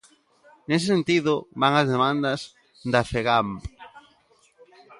Nese sentido van as demandas da Fegamp.